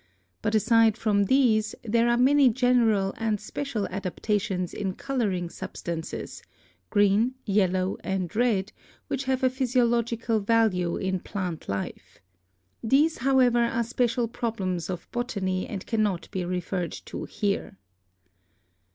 But aside from these, there are many general and special adaptations in coloring substances, green, yellow and red, which have a physiological value in plant life. These, however, are special problems of botany and cannot be referred to here.